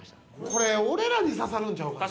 これ俺らに刺さるんちゃうかな？